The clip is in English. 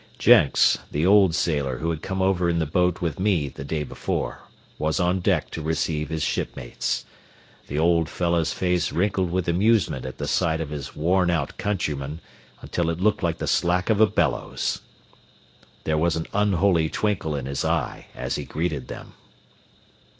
Jenks, the old sailor who had come over in the boat with me the day before, was on deck to receive his shipmates. The old fellow's face wrinkled with amusement at the sight of his worn out countrymen until it looked like the slack of a bellows. There was an unholy twinkle in his eye as he greeted them.